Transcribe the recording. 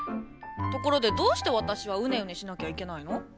ところでどうして私はうねうねしなきゃいけないの？